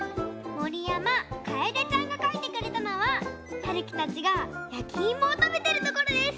もりやまかえでちゃんがかいてくれたのははるきたちがやきいもをたべてるところです！